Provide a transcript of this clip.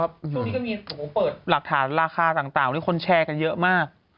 เหลือนี้ก็เรามีมูลเปิดหลักฐานราคาต่างคนแชร์กันเยอะมาก